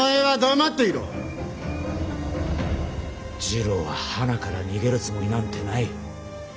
次郎ははなから逃げるつもりなんてない。